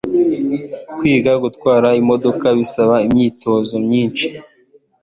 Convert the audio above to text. Kwiga gutwara imodoka bisaba imyitozo myinshi.